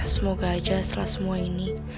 semoga aja setelah semua ini